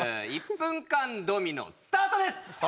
１分間ドミノスタートです！